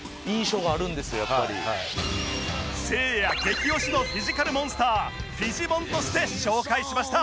せいや激推しのフィジカルモンスターフィジモンとして紹介しました